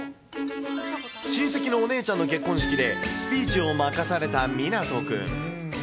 親戚のお姉ちゃんの結婚式で、スピーチを任されたみなとくん。